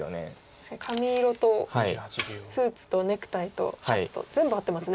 確かに髪色とスーツとネクタイとシャツと全部合ってますね。